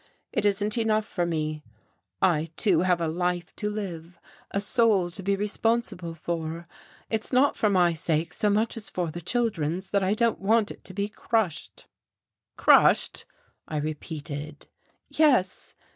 It isn't enough for me I, too, have a life to live, a soul to be responsible for. It's not for my sake so much as for the children's that I don't want it to be crushed." "Crushed!" I repeated. "Yes.